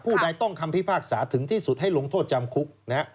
พูดได้ต้องคำพิพากษาถึงที่สุดให้หลงโทษจำคุก